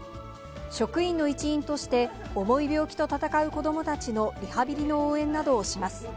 職員の一員として重い病気と闘う子どもたちのリハビリの応援などをします。